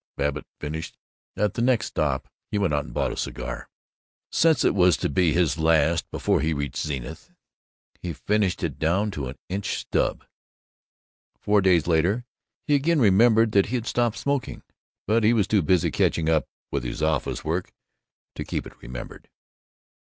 Babbitt finished. At the next stop he went out and bought a cigar. Since it was to be his last before he reached Zenith, he finished it down to an inch stub. Four days later he again remembered that he had stopped smoking, but he was too busy catching up with his office work to keep it remembered.